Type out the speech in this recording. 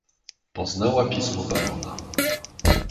"Poznała pismo barona."